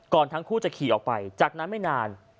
ทั้งคู่จะขี่ออกไปจากนั้นไม่นาน